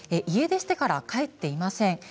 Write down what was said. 家出してから帰っていません。